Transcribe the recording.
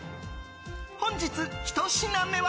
本日１品目は。